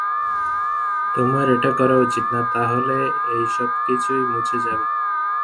তোমার এটা করা উচিত না, তাহলে এই সবকিছুই মুছে যাবে।